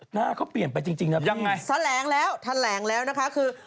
หน้าเขาเปลี่ยนไปจริงนะพี่ท่านแหลงแล้วท่านแหลงแล้วนะคะคือ